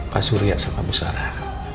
pak surya sama bu sarah